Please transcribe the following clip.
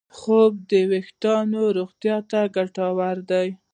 خوب د وېښتیانو روغتیا ته ګټور دی.